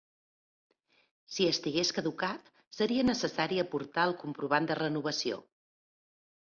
Si estigués caducat, seria necessari aportar el comprovant de renovació.